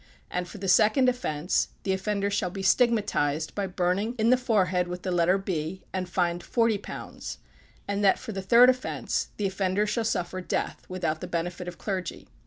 And for the second offence, "the offender shall be stigmatized by burning in the forehead "with the letter B, and fined forty pounds. And that for the "third offence, the offender shall suffer death without the "benefit of clergy.